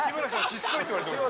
しつこいって言われてます